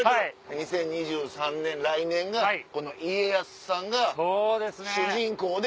２０２３年来年がこの家康さんが主人公で。